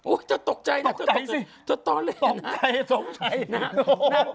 โอ๊ยจะตกใจนะตกใจสิจะต้องเล่นนะตกใจตกใจ